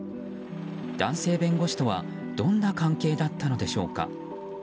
男性弁護士とはどんな関係だったのでしょうか。